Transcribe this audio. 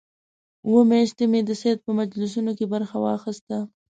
اووه میاشتې مې د سید په مجلسونو کې برخه واخیسته.